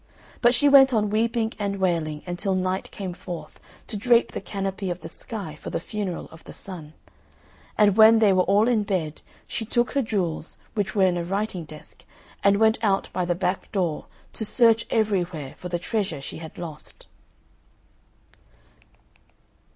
But she went on weeping and wailing until Night came forth to drape the canopy of the sky for the funeral of the Sun; and when they were all in bed, she took her jewels, which were in a writing desk, and went out by the back door, to search everywhere for the treasure she had lost.